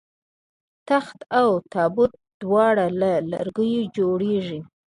تخت او تابوت دواړه له لرګیو جوړیږي